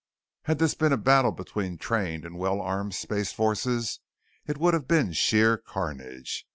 Had this been a battle between trained and well armed space forces, it would have been sheer carnage.